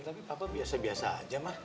tapi papa biasa biasa aja mah